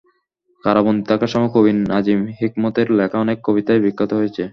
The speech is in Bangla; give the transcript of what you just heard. কারাবন্দী থাকার সময় কবি নাজিম হিকমতের লেখা অনেক কবিতাই বিখ্যাত হয়েছে।